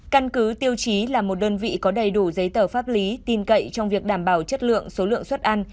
căn cứ tiêu chí là một đơn vị có đầy đủ giấy tờ pháp lý tin cậy trong việc đảm bảo chất lượng số lượng xuất ăn